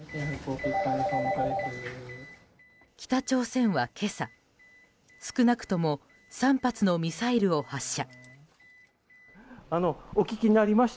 北朝鮮は今朝少なくとも３発のミサイルを発射。